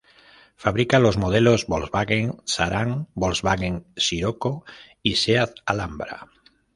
Fabrica los modelos Volkswagen Sharan, Volkswagen Scirocco y Seat Alhambra.